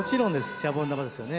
「シャボン玉」ですよね